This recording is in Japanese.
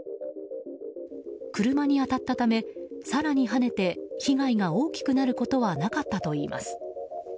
車に当たったため、更にはねて被害が大きくなることはなかったといいます。